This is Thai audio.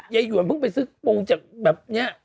หยวนเพิ่งไปซื้อปรุงจากแบบนี้